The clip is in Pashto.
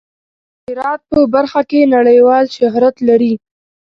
افغانستان د هرات په برخه کې نړیوال شهرت لري.